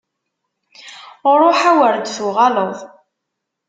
Ruḥ, a wer d-tuɣaleḍ!